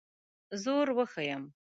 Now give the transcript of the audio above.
زور وښیم.